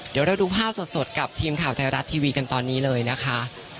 เดี๋ยวเราดูภาพสดกับทีมข่าวไทยรัฐทีวีกันตอนนี้เลยนะคะ